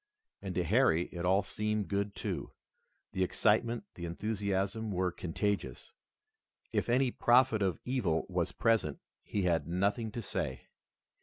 And to Harry it all seemed good, too. The excitement, the enthusiasm were contagious. If any prophet of evil was present he had nothing to say.